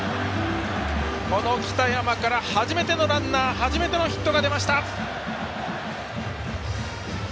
この北山から初めてのランナー初めてのヒットが出ました。